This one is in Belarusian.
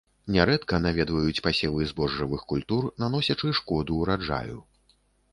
Нярэдка наведваюць пасевы збожжавых культур, наносячы шкоду ўраджаю.